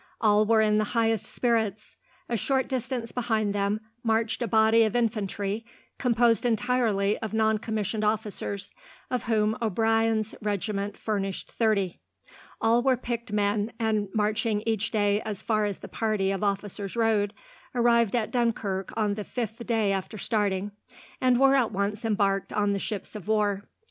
All were in the highest spirits. A short distance behind them marched a body of infantry, composed entirely of noncommissioned officers, of whom O'Brien's regiment furnished thirty. All were picked men, and, marching each day as far as the party of officers rode, arrived at Dunkirk on the fifth day after starting, and were at once embarked on the ships of war.